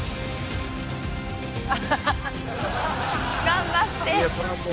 頑張って！